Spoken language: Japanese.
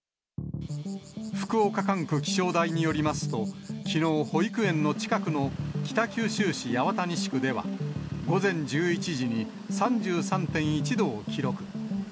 福岡管区気象台によりますと、きのう、保育園の近くの北九州市八幡西区では、午前１１時に３３．１度を記録。